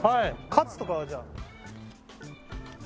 カツとかじゃあ。